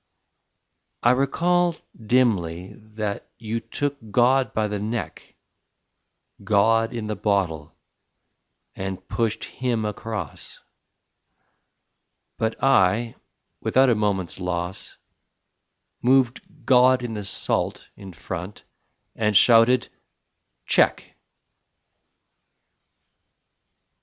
I recall, Dimly, that you took God by the neck God in the bottle and pushed Him across: But I, without a moment's loss Moved God in the salt in front and shouted: "Check!"